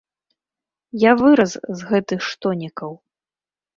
Я вырас з гэтых штонікаў.